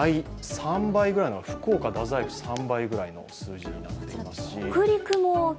福岡、太宰府、３倍ぐらいの数字になっています。